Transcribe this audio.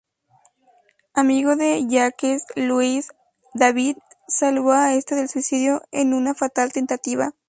Amigo de Jacques-Louis David, salvó a este del suicidio en una fatal tentativa.